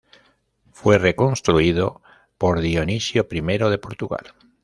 Fue reconstruido por Dionisio I de Portugal.